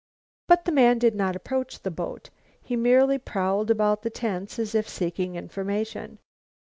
But the man did not approach the boat. He merely prowled about the tents as if seeking information.